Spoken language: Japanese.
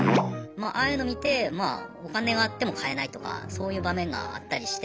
ああいうの見てまあお金があっても買えないとかそういう場面があったりして。